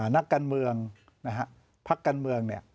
นักการเมืองพักการเมือง